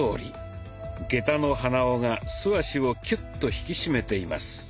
下駄の鼻緒が素足をキュッと引き締めています。